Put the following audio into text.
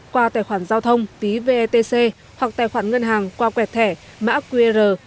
qua tài khoản giao thông phí vetc hoặc tài khoản ngân hàng qua quẹt thẻ mã qr